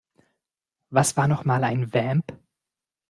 Was war noch mal ein Vamp?